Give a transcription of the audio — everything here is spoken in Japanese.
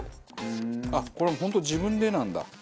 あっこれ本当に自分でなんだ。